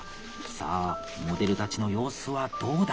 さあモデルたちの様子はどうだ！